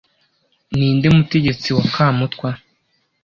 Ninde mutegetsi wa kamutwa